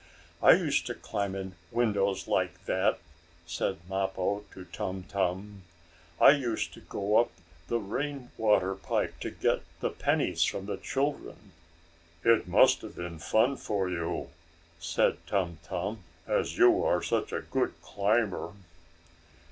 "I used to climb in windows like that," said Mappo to Tum Tum. "I used to go up the rain water pipe to get the pennies from the children." "It must have been fun for you," said Tum Tum, "as you are such a good climber."